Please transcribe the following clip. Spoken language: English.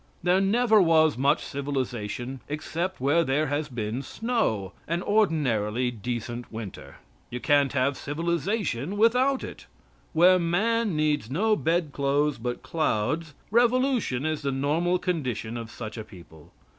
There never was much civilization except where there has been snow, and ordinarily decent Winter. You can't have civilization without it. Where man needs no bedclothes but clouds, revolution is the normal condition of such a people.